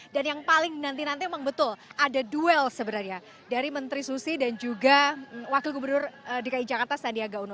dan yang paling nanti nanti memang betul ada duel sebenarnya dari menteri susi dan juga wakil gubernur dki jakarta sandiaga uno